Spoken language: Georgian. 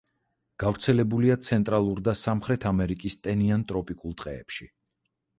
გავრცელებულია ცენტრალურ და სამხრეთ ამერიკის ტენიან ტროპიკულ ტყეებში.